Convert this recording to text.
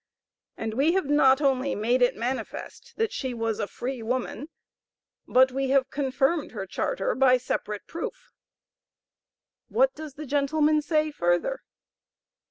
And we have not only made it manifest that she was a free woman, but we have confirmed her charter by separate proof. What does the gentleman say further?